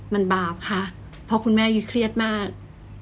มันบาปค่ะเพราะคุณแม่ยุ้ยเครียดมาก